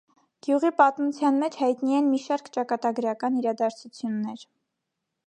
Գյուղի պատմության մեջ հայտնի են մի շարք ճակատագրական իրադարձություններ։